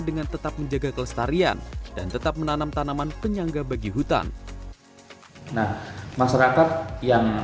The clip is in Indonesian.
dengan tetap menjaga kelestarian dan tetap menanam tanaman penyangga bagi hutan nah masyarakat yang